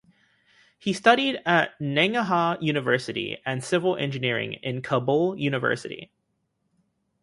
He studied at Nangarhar University and civil engineering in Kabul University.